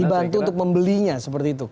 dibantu untuk membelinya seperti itu